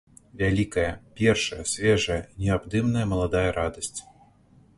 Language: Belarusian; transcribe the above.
Вялікая, першая, свежая, неабдымная маладая радасць!